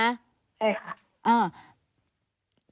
ใช่ค่ะ